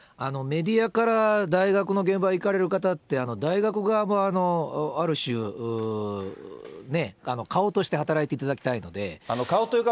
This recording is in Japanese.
メディアから大学の現場へ行かれる方って、大学側もある種、ね、顔として働いていただきたいので。